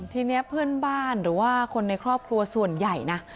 ทีนี้เพื่อนบ้านหรือว่าคนในครอบครัวส่วนใหญ่นะ